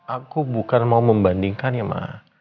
aku bukan mau membandingkan ya maaf